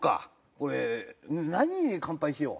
これ何に乾杯しよう？